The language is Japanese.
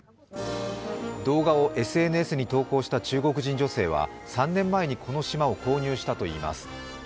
動画をＳＮＳに投稿した中国人女性は３年前にこの島を購入したといいます。